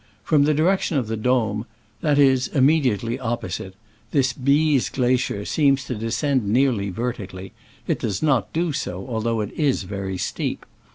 From the direction of the Dom — that is, immedi ately opposite — this Bies glacier seems to descend nearly vertically : it does not do so, although it is very steep.